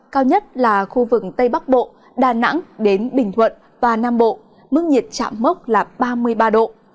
cao nhất là khu vực tây bắc bộ đà nẵng đến bình thuận và nam bộ mức nhiệt chạm mốc là ba mươi ba độ